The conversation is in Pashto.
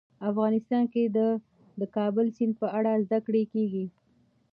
افغانستان کې د د کابل سیند په اړه زده کړه کېږي.